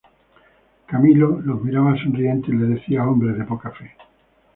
Camilo los miraba sonriente y les decía hombres de poca fe.